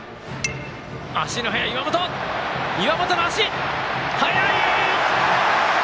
岩本の足、速い！